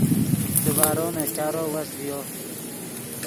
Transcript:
دیبارو نے چارو وست ڤیو